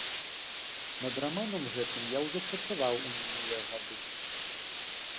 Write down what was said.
Над раманам гэтым я ўжо працаваў ў мінулыя гады.